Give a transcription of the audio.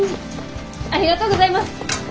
ありがとうございます！